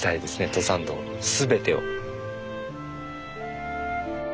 登山道全てを。